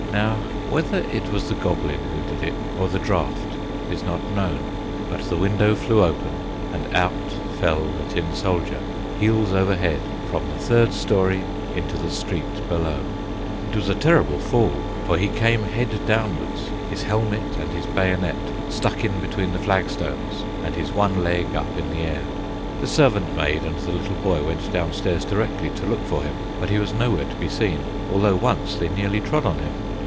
Now, whether it was the goblin who did it, or the draught, is not known, but the window flew open, and out fell the tin soldier, heels over head, from the third story, into the street beneath. It was a terrible fall; for he came head downwards, his helmet and his bayonet stuck in between the flagstones, and his one leg up in the air. The servant maid and the little boy went down stairs directly to look for him; but he was nowhere to be seen, although once they nearly trod upon him.